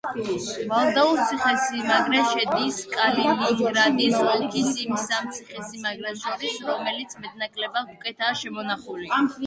ვალდაუს ციხესიმაგრე შედის კალინინგრადის ოლქის იმ სამ ციხესიმაგრეს შორის რომელიც მეტნაკლებად უკეთაა შემონახული.